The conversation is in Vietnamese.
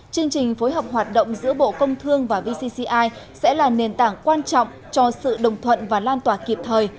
chương trình phối hợp hoạt động giữa bộ công thương và vcci sẽ là nền tảng quan trọng cho sự đồng thuận và lan tỏa kịp thời